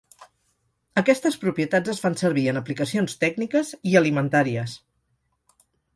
Aquestes propietats es fan servir en aplicacions tècniques i alimentàries.